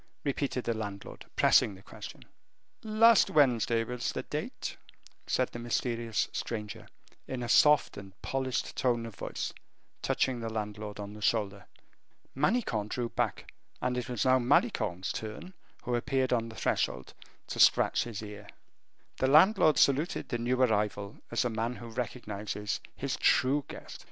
repeated the landlord, pressing the question. "Last Wednesday was the date," said the mysterious stranger, in a soft and polished tone of voice, touching the landlord on the shoulder. Manicamp drew back, and it was now Malicorne's turn, who appeared on the threshold, to scratch his ear. The landlord saluted the new arrival as a man who recognizes his true guest.